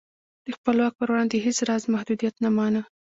د خپل واک پر وړاندې یې هېڅ راز محدودیت نه مانه.